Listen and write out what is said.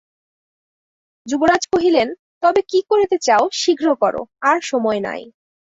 যুবরাজ কহিলেন, তবে কী করিতে চাও শীঘ্র করো, আর সময় নাই।